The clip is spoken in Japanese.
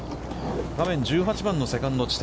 画面１８番のセカンド地点。